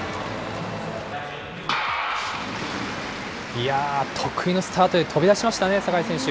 いやー、得意のスタートで飛び出しましたね、坂井選手。